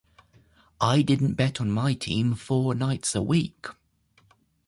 I didn't bet on my team four nights a week.